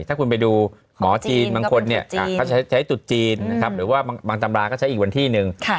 ถ้าคุณไปดูหมอจีนบางคนเขาจะใช้ตุดจีนนะครับหรือว่าบางตำราก็ใช้อีกวันที่หนึ่ง